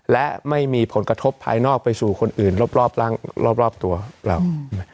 และไม่มีผลกระทบภายนอกไปสู่คนอื่นรอบรอบร้างรอบรอบตัวแล้ว